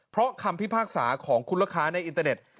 เพราะคำพิพากษาของคุณลูกค้าในอินเตอร์เน็ต